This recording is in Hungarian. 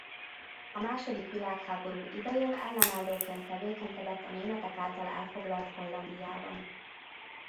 A második világháború idején ellenállóként tevékenykedett a németek által elfoglalt Hollandiában.